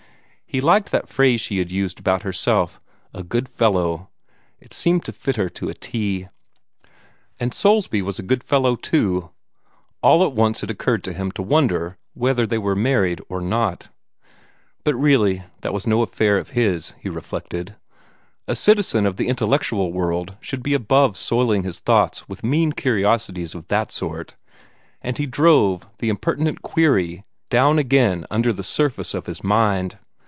He liked that phrase she had used about herself "a good fellow." It seemed to fit her to a "t." And Soulsby was a good fellow too. All at once it occurred to him to wonder whether they were married or not. But really that was no affair of his, he reflected. A citizen of the intellectual world should be above soiling his thoughts with mean curiosities of that sort, and he drove the impertinent query down again under the surface of his mind.